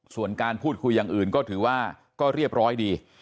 ส่วนการพูดคุยอย่างอื่นก็ถือว่าก็เรียบร้อยดี